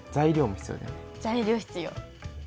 材料必要。